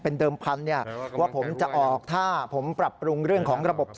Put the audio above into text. บนเดินพันเนี่ยหรือว่าผมจะออกถ้าผมผลับปรุงเรื่องของระบบสายการ